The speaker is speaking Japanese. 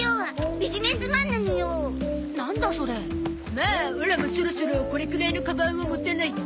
まあオラもそろそろこれくらいのカバンを持たないと。